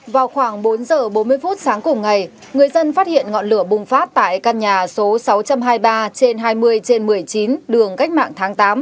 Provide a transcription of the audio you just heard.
vào khoảng bốn h bốn mươi phút sáng cùng ngày người dân phát hiện ngọn lửa bùng phát tại căn nhà số sáu trăm hai mươi ba trên hai mươi trên một mươi chín đường cách mạng tháng tám